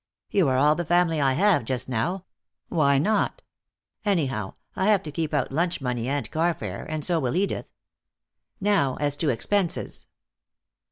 "You are all the family I have just now. Why not? Anyhow, I'll have to keep out lunch money and carfare, and so will Edith. Now as to expenses."